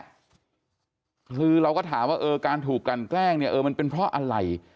คือเราก็ถามว่าการถูกกันแกล้งมันเป็นเพราะอะไร